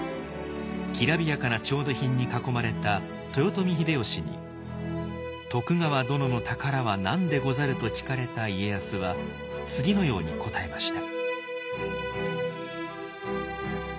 きらびやかな調度品に囲まれた豊臣秀吉に「徳川殿の宝はなんでござる」と聞かれた家康は次のように答えました。